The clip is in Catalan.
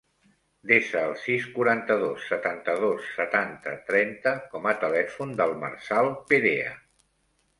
Desa el sis, quaranta-dos, setanta-dos, setanta, trenta com a telèfon del Marçal Perea.